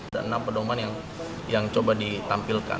ada enam pedoman yang coba ditampilkan